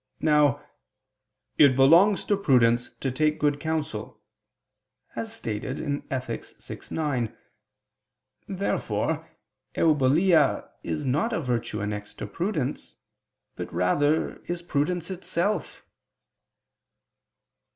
Now it "belongs to prudence to take good counsel," as stated (Ethic. vi, 9). Therefore eubulia is not a virtue annexed to prudence, but rather is prudence itself.